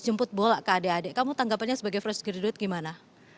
jemput bola ke adik adik kamu tanggapannya sebagai fresh graduate gimana